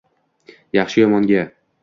Yaxshi-yomonga